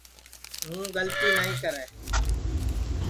ہُوں گلتی نائی کرے